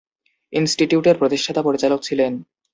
ইনস্টিটিউটের প্রতিষ্ঠাতা পরিচালক ছিলেন।